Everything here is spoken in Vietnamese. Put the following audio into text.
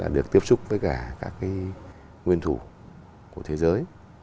được tiếp xúc với cả các nguyên thủ của thế giới